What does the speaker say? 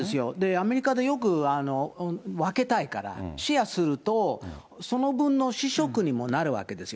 アメリカでよく分けたいから、シェアすると、その分の試食にもなるわけですよ。